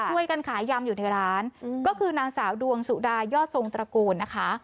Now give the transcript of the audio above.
ช่วยกันขายยำอยู่ในร้านก็คือนางสาวดวงสุดายอดทรงตระกูลนะคะ